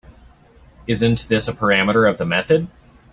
Isn’t this a parameter of the method?